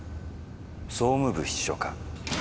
総務部秘書課。